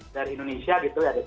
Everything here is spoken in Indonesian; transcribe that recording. dari indonesia gitu ya